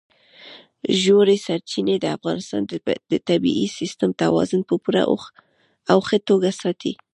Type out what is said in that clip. ژورې سرچینې د افغانستان د طبعي سیسټم توازن په پوره او ښه توګه ساتي.